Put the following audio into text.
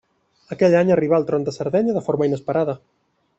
Aquell any arribà al tron de Sardenya de forma inesperada.